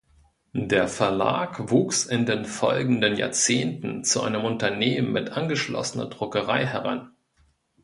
Der Verlag wuchs in den folgenden Jahrzehnten zu einem Unternehmen mit angeschlossener Druckerei heran.